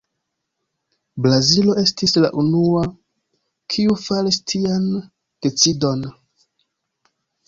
Brazilo estis la unua, kiu faris tian decidon.